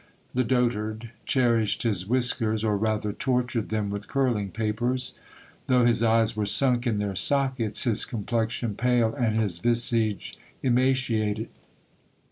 The dotard cherished his whiskers, or rather tortured them with curling papers ; though his eyes were sunk in their sockets, his complexion pale, and his visage emaciated.